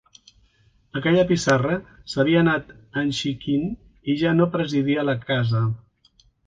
Aquella pissarra s'havia anat enxiquint i ja no presidia la casa